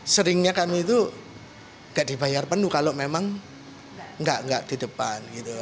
seringnya kami itu nggak dibayar penuh kalau memang nggak di depan gitu